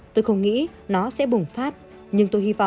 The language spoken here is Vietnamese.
tôi không nghĩ nó sẽ bùng phát